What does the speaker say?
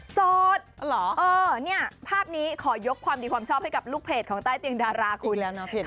สดเหรอเออเนี่ยภาพนี้ขอยกความดีความชอบให้กับลูกเพจของใต้เตียงดาราคุยแล้วเนาะ